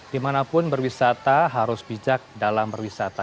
dimanapun berwisata harus bijak dalam berwisata